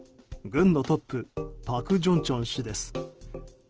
軍のトップパク・ジョンチョン氏です。